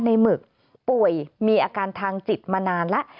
หมึกป่วยมีอาการทางจิตมานานแล้ว